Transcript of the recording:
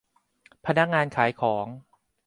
พนักงานขายของ